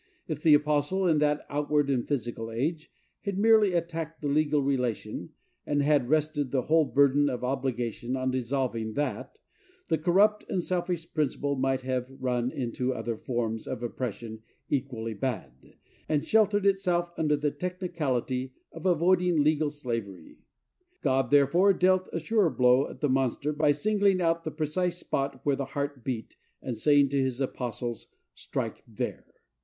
If the apostle, in that outward and physical age, had merely attacked the legal relation, and had rested the whole burden of obligation on dissolving that, the corrupt and selfish principle might have run into other forms of oppression equally bad, and sheltered itself under the technicality of avoiding legal slavery. God, therefore, dealt a surer blow at the monster, by singling out the precise spot where his heart beat, and saying to his apostles, "Strike there!"